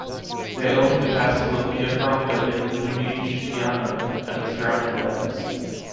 They owned the castle of Villafranca in Lunigiana and the surrounding lands.